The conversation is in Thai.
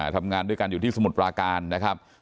ทำงานด้วยกันอยู่ที่สมุทรปราการนะครับ